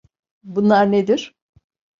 Bunlar nedir?